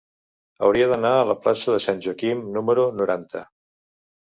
Hauria d'anar a la plaça de Sant Joaquim número noranta.